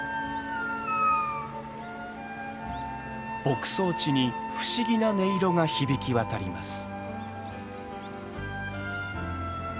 牧草地に不思議な音色が響き渡ります。